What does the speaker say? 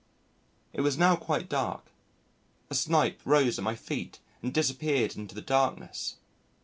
It was now quite dark. A Snipe rose at my feet and disappeared into the darkness.